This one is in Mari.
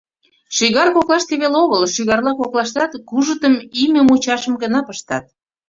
Шӱгар коклаште веле огыл, шӱгарла коклаштат кужытым име мучашым гына пыштат.